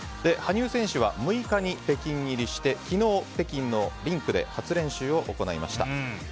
羽生選手は６日に北京入りして昨日北京のリンクで初練習を行いました。